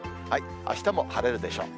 あしたも晴れるでしょう。